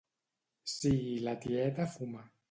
Si i la tieta fuma